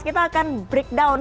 kita akan breakdown